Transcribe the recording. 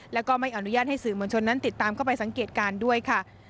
แล้วก็ไม่อนุญาตให้สื่อมวลชนนั้นติดตามเข้าไปสังเกตการณ์ด้วยค่ะ